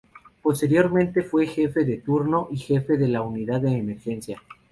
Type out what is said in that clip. Posteriormente, fue jefe de turno y jefe de la Unidad de Emergencia.